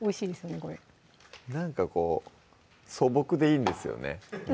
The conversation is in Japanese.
これなんかこう素朴でいいんですよね